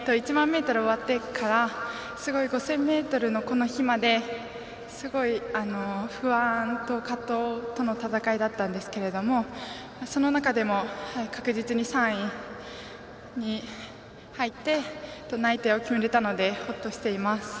１００００ｍ終わってから５０００ｍのこの日まですごい不安と葛藤との戦いだったんですけれどもその中でも、確実に３位に入って内定を決めれたのでほっとしています。